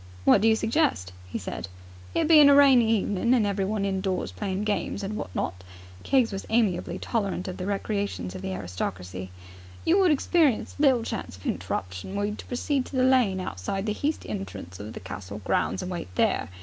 "What do you suggest?" he said. "It being a rainy evening and everyone indoors playing games and what not," Keggs was amiably tolerant of the recreations of the aristocracy "you would experience little chance of a hinterruption, were you to proceed to the lane outside the heast entrance of the castle grounds and wait there.